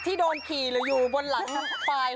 ที่โดนขี่หรืออยู่บนหลังไฟ